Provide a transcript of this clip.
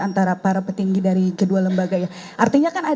antara para petinggi dari kedua lembaga